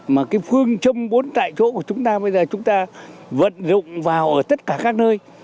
mà cái phương châm bốn tại chỗ của chúng ta bây giờ chúng ta vận dụng vào ở tất cả các nơi